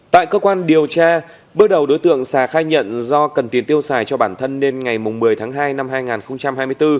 tại cơ quan điều tra bước đầu đối tượng sà khai nhận do cần tiền tiêu xài cho bản thân nên ngày một mươi tháng hai năm hai nghìn hai mươi bốn